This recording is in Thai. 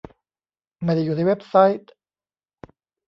ไม่ได้อยู่ในเว็บไซต์